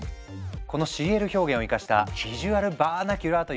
このＣＬ表現を生かした「ビジュアルバーナキュラー」というアートも誕生。